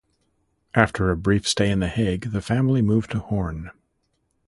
After a brief stay in The Hague, the family moved to Hoorn.